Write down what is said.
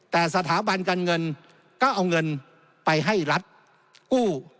แต่สถาบันการเงินก็เอาเงินไปให้รัฐกู้